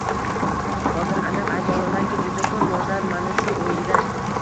Hozir aniq ayta olamanki, juda koʻp yoshlar mana shu oʻyinda